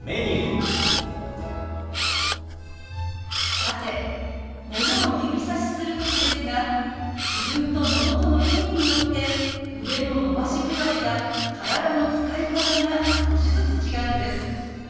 さてものを指さしする時ですが自分とものとの距離によって腕の伸ばし具合や体の使い方が少しずつ違うんです。